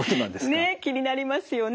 気になりますよね。